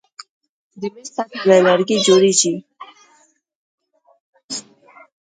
د میز سطحه له لرګي جوړیږي.